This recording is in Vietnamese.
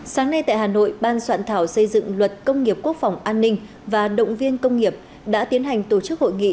sáng nay tại hà nội ban soạn thảo xây dựng luật công nghiệp quốc phòng an ninh và động viên công nghiệp đã tiến hành tổ chức hội nghị